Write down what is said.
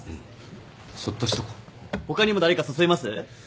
他にも誰か誘います？